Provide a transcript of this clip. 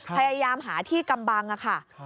พยายามหาที่กำบังค่ะ